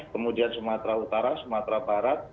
kemudian sumatera utara sumatera barat